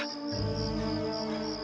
dan aku tidak akan meninggalkan mereka